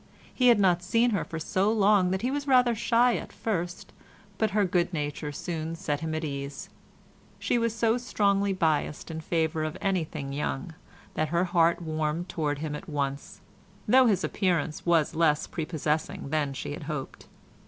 He had not seen her for so long that he was rather shy at first, but her good nature soon set him at his ease. She was so strongly biassed in favour of anything young that her heart warmed towards him at once, though his appearance was less prepossessing than she had hoped.